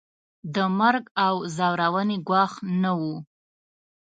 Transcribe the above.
د مرګ او ځورونې ګواښ نه وو.